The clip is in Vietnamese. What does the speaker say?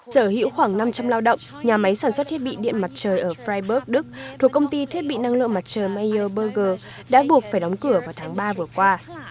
sở hữu khoảng năm trăm linh lao động nhà máy sản xuất thiết bị điện mặt trời ở freiburg đức thuộc công ty thiết bị năng lượng mặt trời mayer burger đã buộc phải đóng cửa vào tháng ba vừa qua